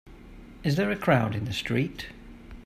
Is there a crowd in the street?